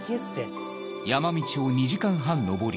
山道を２時間半登り